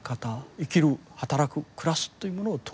生きる働く暮らすというものを統合できる。